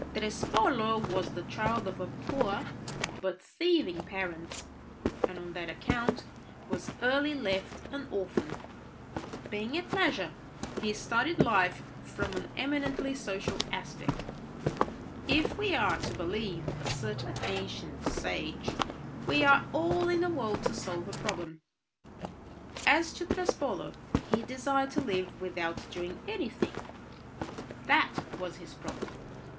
Trespolo was the child of poor but thieving parents, and on that account was early left an orphan. Being at leisure, he studied life from an eminently social aspect. If we are to believe a certain ancient sage, we are all in the world to solve a problem: as to Trespolo, he desired to live without doing anything; that was his problem.